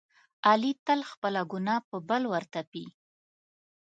علي تل خپله ګناه په بل ورتپي.